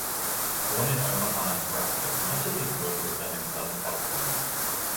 Born in Omaha, Nebraska, much of his work was done in Southern California.